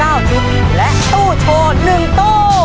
ทำได้๔ข้อรับอุปกรณ์สำหรับทำชุดมโนรา๙ชุด